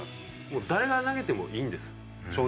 誰が投げてもいいんです正直。